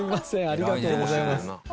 ありがとうございます。